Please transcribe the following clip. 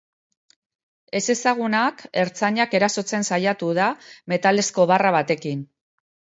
Ezezagunak ertzainak erasotzen saiatu da metalezko barra batekin.